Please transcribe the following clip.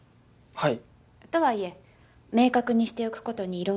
はい。